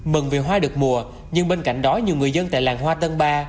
mừng vì hoa được mùa nhưng bên cạnh đó nhiều người dân tại làng hoa tân ba